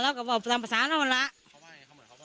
จ๋าจ๋าน้องไฮไฮจ๋าคนประสาทน้ำสมองเรียนเกมนี่แหละ